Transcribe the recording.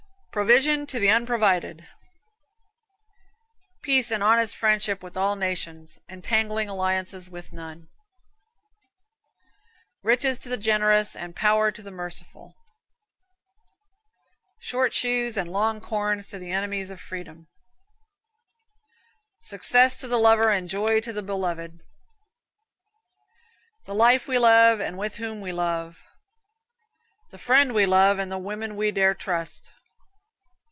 Provision to the unprovided. Peace and honest friendship with all nations; entangling alliances with none. Riches to the generous, and power to the merciful. Short shoes and long corns to the enemies of freedom. Success to the lover, and joy to the beloved. The life we love, with whom we love. The friend we love, and the woman we dare trust.